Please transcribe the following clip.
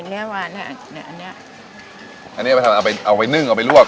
เนื้อหวานเนี่ยเนื้ออันเนี้ยอันเนี้ยเอาไปเอาไปนึ่งเอาไปรวก